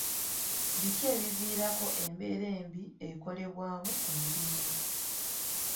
Biki ebiviirako embeera embi ekolebwamu ku mirimu?